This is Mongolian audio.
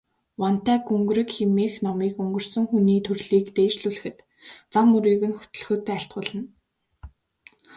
Вантай гүнгэрэг хэмээх номыг өнгөрсөн хүний төрлийг дээшлүүлэхэд, зам мөрийг нь хөтлөхөд айлтгуулна.